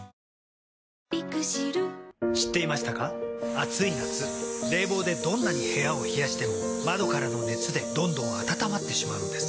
暑い夏冷房でどんなに部屋を冷やしても窓からの熱でどんどん暖まってしまうんです。